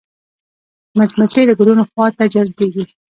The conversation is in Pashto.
مچمچۍ د ګلونو خوا ته جذبېږي